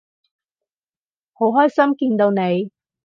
好開心見到你